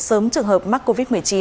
sớm trường hợp mắc covid một mươi chín